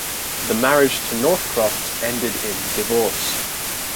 The marriage to Northcroft ended in divorce.